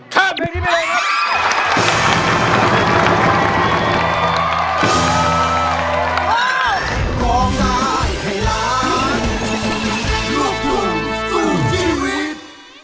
ข้ามเพลงที่เป็นเลยครับ